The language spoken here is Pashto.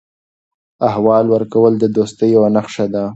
احوال ورکول د دوستۍ یوه نښه ده.